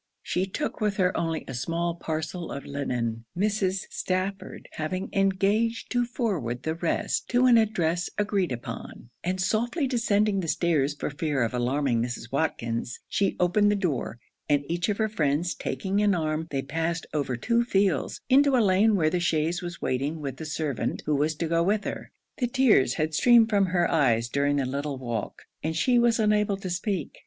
She took with her only a small parcel of linen, Mrs. Stafford having engaged to forward the rest to an address agreed upon; and softly descending the stairs for fear of alarming Mrs. Watkins, she opened the door; and each of her friends taking an arm, they passed over two fields, into a lane where the chaise was waiting with the servant who was to go with her. The tears had streamed from her eyes during the little walk, and she was unable to speak.